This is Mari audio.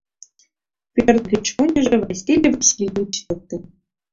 Пӧрт гыч оньыжо, Василий Васильевич, лекте.